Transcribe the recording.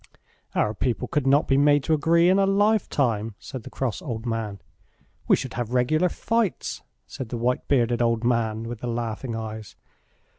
"Our people could not be made to agree in a lifetime," said the cross old man. "We should have regular fights," said the white bearded old man with the laughing eyes.